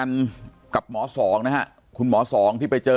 สวัสดีครับทุกผู้ชม